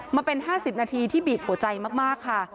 มันเป็น๕๐นาทีที่บีบหัวใจมากค่ะ